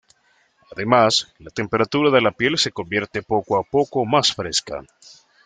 Además, la temperatura de la piel se convierte poco a poco más fresca.